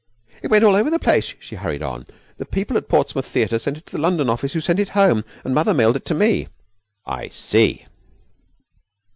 'It went all over the place,' she hurried on. 'The people at the Portsmouth theatre sent it to the London office, who sent it home, and mother mailed it on to me.' 'I see.'